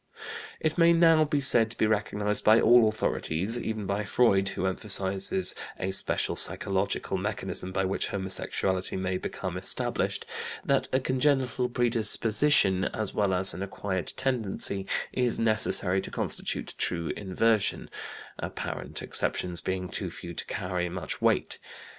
It may now be said to be recognized by all authorities, even by Freud who emphasizes a special psychological mechanism by which homosexuality may become established, that a congenital predisposition as well as an acquired tendency is necessary to constitute true inversion, apparent exceptions being too few to carry much weight.